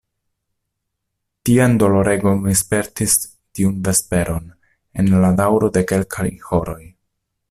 Tian doloregon mi spertis tiun vesperon en la daŭro de kelkaj horoj.